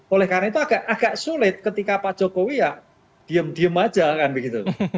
oleh karena itu agak sulit ketika pak jokowi ya diem diem aja kan begitu